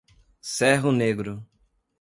Cerro Negro